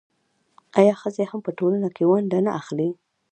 آیا ښځې هم په ټولنه کې ونډه نه اخلي؟